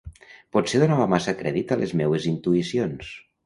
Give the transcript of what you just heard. Potser donava massa crèdit a les meues intuïcions...